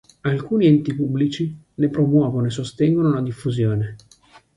Alcuni enti pubblici ne promuovono e sostengono la diffusione.